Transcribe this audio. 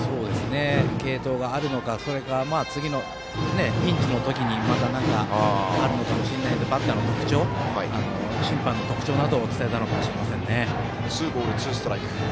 継投があるのかそれか次のピンチの時にもまた何かあるのかもしれないのでバッターの特徴審判の特徴などを伝えたのかもしれないです。